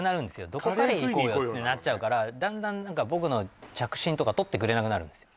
どこカレー行こうよってなっちゃうからだんだん僕の着信とか取ってくれなくなるんですよ